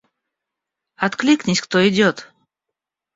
Откликнись кто идёт!